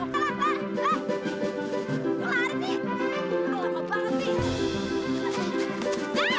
sampai jumpa di video selanjutnya